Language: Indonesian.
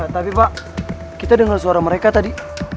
tapi pak kita dengar suara mereka tadi